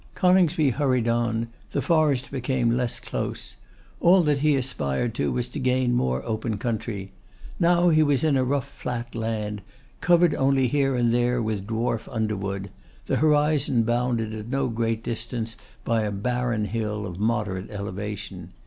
Coningsby hurried on, the forest became less close. All that he aspired to was to gain more open country. Now he was in a rough flat land, covered only here and there with dwarf underwood; the horizon bounded at no great distance by a barren hill of moderate elevation.